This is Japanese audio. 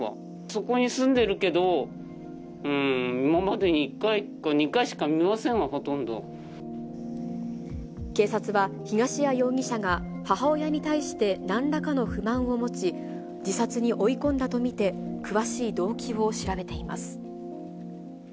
そこに住んでるけど、今までに１回か２回しか見ませんわ、ほとん警察は、東谷容疑者が母親に対してなんらかの不満を持ち、自殺に追い込んだと見て、詳しい動機を調べています。